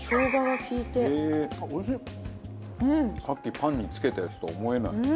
さっきパンにつけたやつとは思えない。